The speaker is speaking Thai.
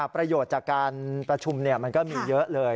ประโยชน์จากการประชุมมันก็มีเยอะเลย